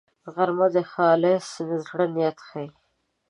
غرمه د خالص زړه نیت ښيي